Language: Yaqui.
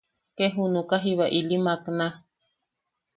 Ke junuka jiba ili makna.